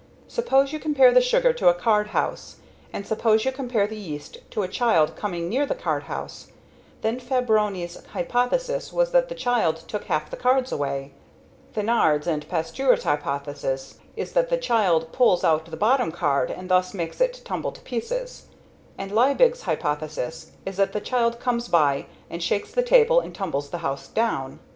Suppose you compare the sugar to a card house, and suppose you compare the yeast to a child coming near the card house, then Fabroni's hypothesis was that the child took half the cards away; Thenard's and Pasteur's hypothesis is that the child pulls out the bottom card and thus makes it tumble to pieces; and Liebig's hypothesis is that the child comes by and shakes the table and tumbles the house down.